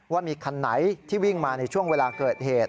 ว่ามีคันไหนที่วิ่งมาในช่วงเวลาเกิดเหตุ